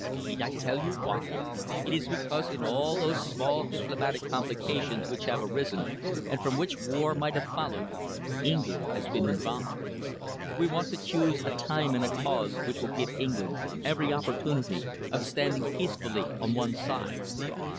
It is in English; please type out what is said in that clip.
Need I tell you why? It is because, in all those small diplomatic complications which have arisen and from which war might have followed, England has been involved. We want to choose a time and a cause which will give England every opportunity of standing peacefully on one side.